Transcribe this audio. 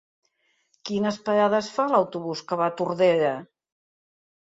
Quines parades fa l'autobús que va a Tordera?